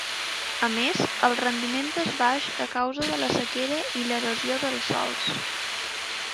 A més, el rendiment és baix a causa de la sequera i l'erosió dels sòls.